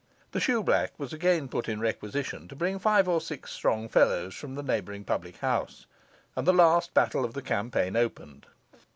The shoeblack was again put in requisition to bring five or six strong fellows from the neighbouring public house; and the last battle of the campaign opened.